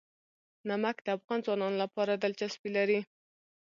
نمک د افغان ځوانانو لپاره دلچسپي لري.